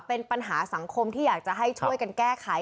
เป็นปัญหาสังคมที่อยากจะให้ช่วยกันแก้ไข